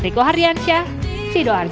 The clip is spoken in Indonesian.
riku hardiansyah sido arjo